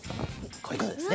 こういうことですね。